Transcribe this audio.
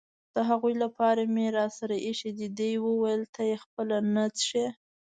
د هغوی لپاره مې راسره اېښي دي، دې وویل: ته یې خپله نه څښې؟